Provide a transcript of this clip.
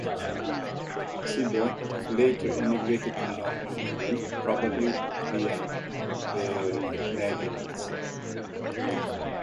Cibber later emigrated to London, England, probably via the Netherlands.